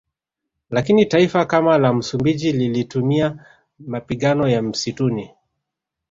Lakini taifa kama la Msumbiji lilitumia mapigano ya msituni